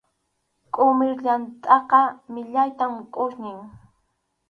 Qʼumir yamtʼaqa millaytam qʼusñin.